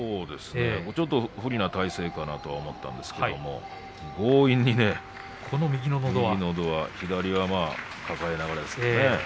不利な体勢かなと思ったんですが強引に、右のど輪左は抱えながらですね。